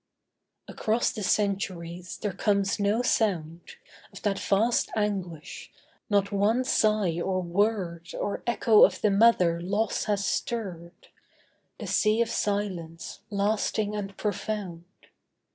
Across the centuries there comes no sound Of that vast anguish; not one sigh or word Or echo of the mother loss has stirred, The sea of silence, lasting and profound.